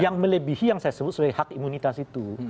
yang melebihi yang saya sebut sebagai hak imunitas itu